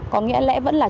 có nghĩa lẽ vẫn là